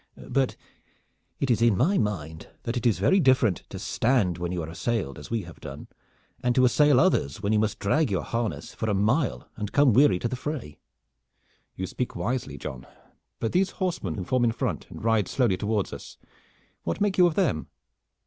But it is in my mind that it is very different to stand when you are assailed, as we have done, and to assail others when you must drag your harness for a mile and come weary to the fray." "You speak wisely, John. But these horsemen who form in front and ride slowly towards us, what make you of them?"